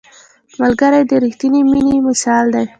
ملګری د رښتیني مینې مثال دی